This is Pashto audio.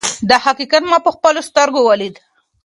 دا حقیقت ما په خپلو سترګو ولید.